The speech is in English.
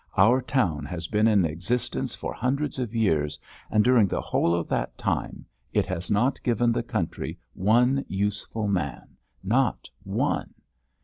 Our town has been in existence for hundreds of years, and during the whole of that time it has not given the country one useful man not one!